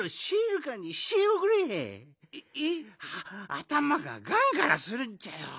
あたまがガンガラするんじゃよ。